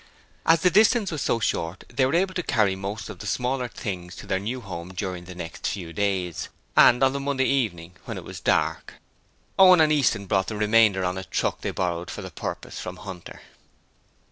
As the distance was so short they were able to carry most of the smaller things to their new home during the next few days, and on the Monday evening, when it was dark. Owen and Easton brought the remainder on a truck they borrowed for the purpose from Hunter.